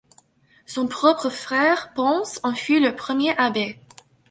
Son propre frère, Ponce, en fut le premier abbé.